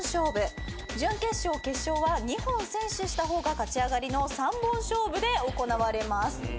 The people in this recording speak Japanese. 準決勝決勝は２本先取した方が勝ち上がりの３本勝負で行われます。